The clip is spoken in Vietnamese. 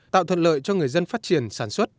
tạo thuận lợi cho người dân phát triển sản xuất